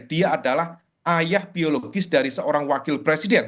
dia adalah ayah biologis dari seorang wakil presiden